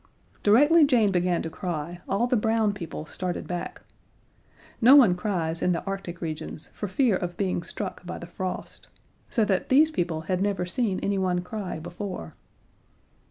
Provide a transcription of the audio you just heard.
Directly Jane began to cry, all the brown people started back. No one cries in the Arctic regions for fear of being struck by the frost. So that these people had never seen anyone cry before.